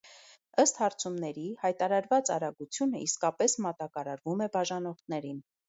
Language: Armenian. Ըստ հարցումների՝ հայտարարված արագությունը իսկապես մատակարարվում է բաժանորդներին։